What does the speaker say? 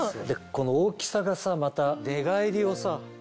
この大きさがさまた寝返りをさ